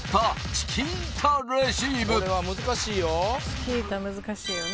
チキータ難しいよね